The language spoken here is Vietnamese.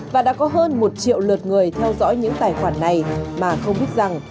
và đã có hơn một triệu lượt người theo dõi những tài khoản này mà không biết rằng